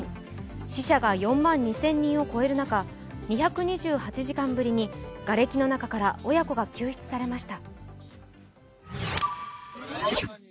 死者が４万２０００人を超える中２２８時間ぶりにがれきの中から親子が救出されました。